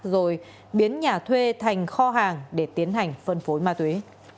rồi biến nhà thuê thành kho hàng để tiến hành phân phối ma túy